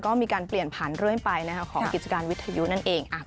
ก็มีการเปลี่ยนผ่านเรื่อยไปของกิจการวิทยุนั่นเอง